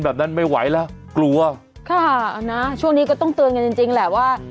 แบบนั้นไม่ไหวแล้วกลัวค่ะเอานะช่วงนี้ก็ต้องเตือนกันจริงจริงแหละว่า